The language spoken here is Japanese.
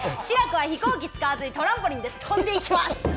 志らくは飛行機使わずにトランポリンで飛んでいきます。